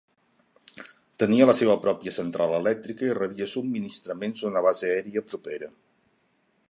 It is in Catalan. Tenia la seva pròpia central elèctrica i rebia subministraments d'una base aèria propera.